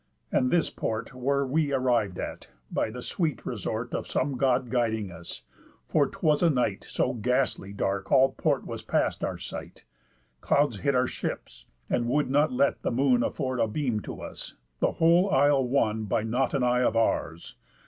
And this port Were we arriv'd at, by the sweet resort Of some God guiding us, for 'twas a night So ghastly dark all port was past our sight, Clouds hid our ships, and would not let the moon Afford a beam to us, the whole isle won By not an eye of ours.